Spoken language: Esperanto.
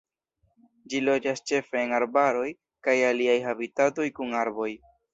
Ĝi loĝas ĉefe en arbaroj kaj aliaj habitatoj kun arboj.